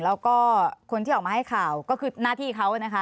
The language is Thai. แล้วก็คนที่ออกมาให้ข่าวก็คือหน้าที่เขานะคะ